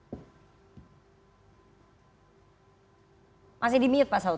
masih di mute pak saud